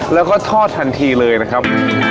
แล้วก็ทอดทันทีเลยนะครับ